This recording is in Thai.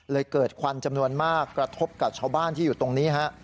เกิดควันจำนวนมากกระทบกับชาวบ้านที่อยู่ตรงนี้ฮะ